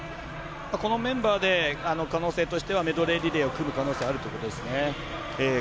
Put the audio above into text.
このメンバーで可能性としてはメドレーリレーを組む可能性があるということですね。